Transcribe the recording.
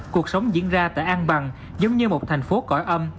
cuộc sống diễn ra tại an bằng giống như một thành phố cỏ âm